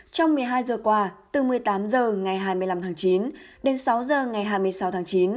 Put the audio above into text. trong một mươi hai giờ qua từ một mươi tám h ngày hai mươi năm tháng chín đến sáu h ngày hai mươi sáu tháng chín